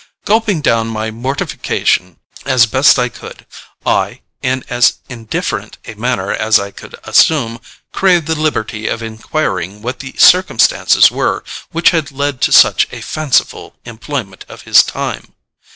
Gulping down my mortification as I best could, I, in as indifferent a manner as I could assume, craved the liberty of inquiring what the circumstances were which had led to such a fanciful employment of his time.